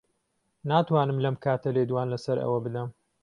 ناتوانم لەم کاتە لێدوان لەسەر ئەوە بدەم.